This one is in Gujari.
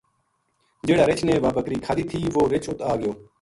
جہڑا رِچھ نے واہ بکری کھادی تھی وہ رِچھ اُت آگیو۔